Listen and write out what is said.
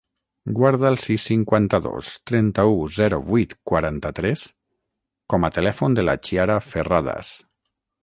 Guarda el sis, cinquanta-dos, trenta-u, zero, vuit, quaranta-tres com a telèfon de la Chiara Ferradas.